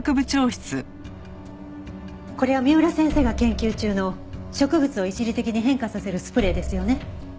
これは三浦先生が研究中の植物を一時的に変化させるスプレーですよね。